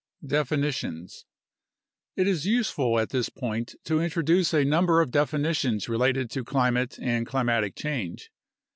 Definitions It is useful at this point to introduce a number of definitions related to climate and climatic change.